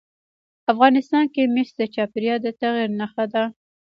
افغانستان کې مس د چاپېریال د تغیر نښه ده.